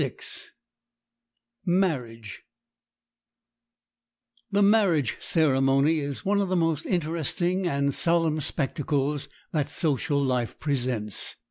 ] The marriage ceremony is one of the most interesting and solemn spectacles that social life presents.